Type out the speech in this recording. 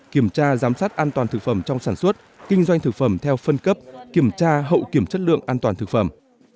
kiểm tra giám sát an toàn thực phẩm trong sản xuất kinh doanh thực phẩm theo phân cấp kiểm tra hậu kiểm chất lượng an toàn thực phẩm